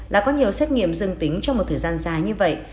đã có nhiều xét nghiệm dương tính trong một thời gian dài như vậy